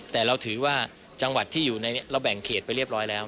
แต่เราถือว่าจังหวัดที่อยู่ในนี้เราแบ่งเขตไปเรียบร้อยแล้ว